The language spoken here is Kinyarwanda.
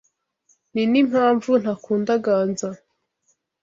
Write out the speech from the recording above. Ninimpamvu ntakunda Ganza.